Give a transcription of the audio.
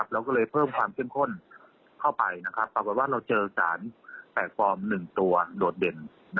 เราก็เลยเพิ่มความเข้มข้นเข้าไปปรากฏว่าเราเจอสารแปลกปลอม๑ตัวโดดเด่น